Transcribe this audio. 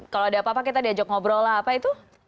kalau ada apa apa kita diajak ngobrol lah apa itu